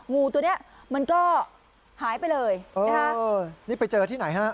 งูตัวเนี่ยมันก็หายไปเลยนี่ไปเจอที่ไหนฮะ